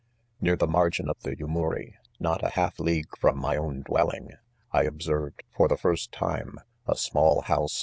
Near the margin of the Yumuri, not a half league from my own dwellings I observed, fe .the first, time, a small house